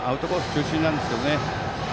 中心なんですけどね。